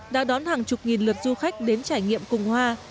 đã đón hàng chục nghìn lượt du khách đến trải nghiệm cùng hoa